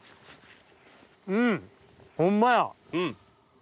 うん！ホンマや！